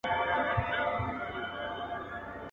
د ټکنالوژۍ پرته ژوند ستونزمن دی.